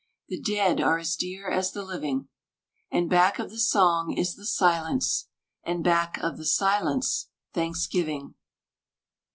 The dead are as dear as the living, And back of the song is the silence, And back of the silence Thanksgiving.